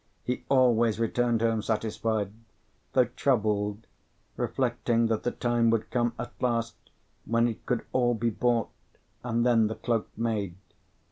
He always returned home satisfied, though troubled, reflecting that the time would come at last when it could all be bought, and then the cloak made.